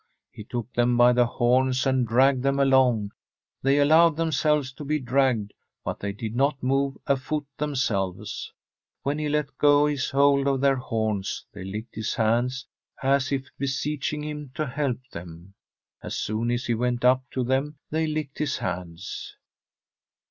He took them by the horns and dragged them along. They allowed themselves to be dragged, but they did not move a foot themselves. When he let go his hold of their horns, they licked his hands, as if beseeching him to help them. As soon as he went up to them they licked his hands.